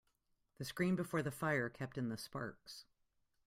The screen before the fire kept in the sparks.